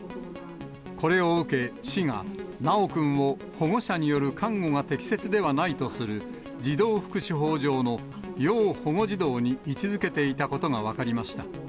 これを受け、市が修くんを、保護者による監護が適切ではないとする児童福祉法上の要保護児童に位置づけていたことが分かりました。